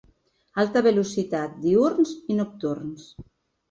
Alta Velocitat, Diürns i Nocturns.